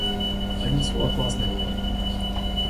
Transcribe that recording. Одинцово — классный город